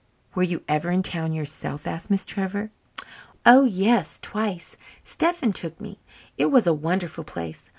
"Were you ever in town yourself?" asked Miss Trevor. "Oh, yes, twice. Stephen took me. It was a wonderful place.